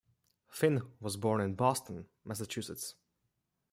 Finn was born in Boston, Massachusetts.